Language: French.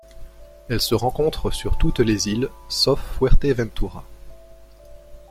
Elle se rencontre sur toutes les îles sauf Fuerteventura.